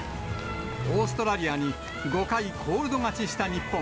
オーストラリアに５回コールド勝ちした日本。